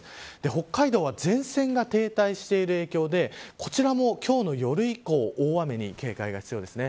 北海道は前線が停滞している影響でこちらも今日の夜以降大雨に警戒が必要です。